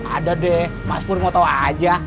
ada deh mas purwoto aja